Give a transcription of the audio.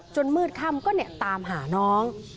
มืดค่ำก็ตามหาน้อง